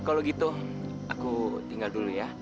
ya udah kalau gitu aku tinggal dulu ya